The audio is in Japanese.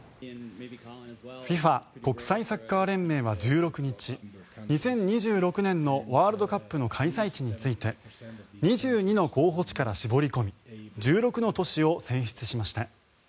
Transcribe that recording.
ＦＩＦＡ・国際サッカー連盟は１６日２０２６年のワールドカップの開催地について２２の候補地から絞り込み１６の都市を選出しました。